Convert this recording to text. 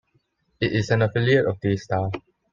It is an affiliate of Daystar.